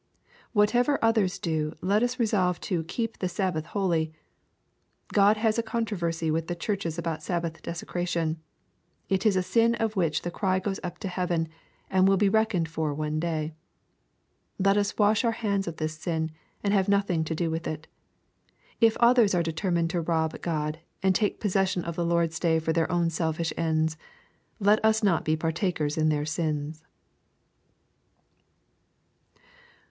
Whatever others do, let us resolve to "keep the Sabbath holy/' God has a controversy with the churches about Sabbath desecration. It is a sin of which the cry goes up to heaven, and will be reckoned for one day. Let us wash our hands of this sin, and have nothing to do with it. If others are determined to rob God, and take possession of the Lord's day for their own selfish ends, let us not be partakers in their sins.